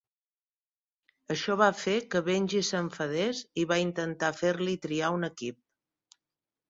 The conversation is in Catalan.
Això va fer que Benji s'enfadés i va intentar fer-li triar un equip.